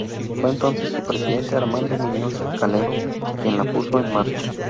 Fue entonces su presidente Armando Muñoz Calero quien la puso en marcha.